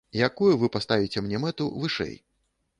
Якую вы паставіце мне мэту вышэй?